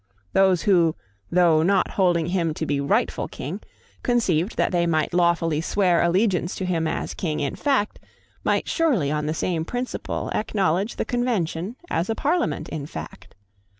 Those who, though not holding him to be rightful King, conceived that they might lawfully swear allegiance to him as King in fact, might surely, on the same principle, acknowledge the Convention as a Parliament in fact.